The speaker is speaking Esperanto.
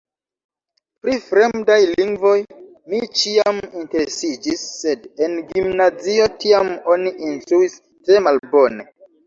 Pri fremdaj lingvoj mi ĉiam interesiĝis, sed en gimnazio tiam oni instruis tre malbone.